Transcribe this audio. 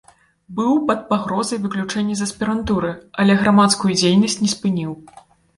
Быў пад пагрозай выключэння з аспірантуры, але грамадскую дзейнасць не спыніў.